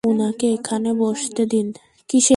উনাকে এখানে বসতে দিন।